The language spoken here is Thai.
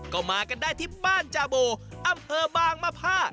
ก็มากันได้ที่บ้านจาโบอำเภอบางมภา